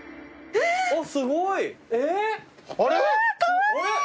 えっ？